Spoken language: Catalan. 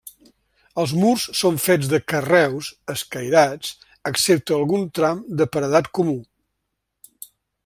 Els murs són fets de carreus escairats, excepte algun tram de paredat comú.